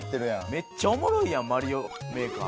めっちゃおもろいやん『マリオメーカー』。